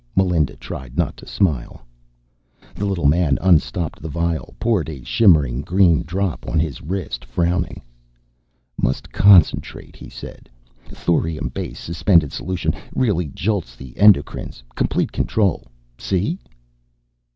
Melinda tried not to smile. The little man unstopped the vial, poured a shimmering green drop on his wrist, frowning. "Must concentrate," he said. "Thorium base, suspended solution. Really jolts the endocrines, complete control ... see?"